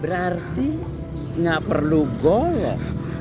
berarti gak perlu golong